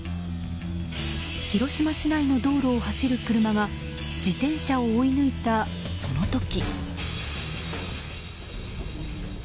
広島市内の道路を走る車が自転車を追い抜いたその時。